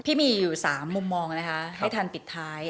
พี่มีอยู่๓มุมมองนะคะให้ทันปิดท้าย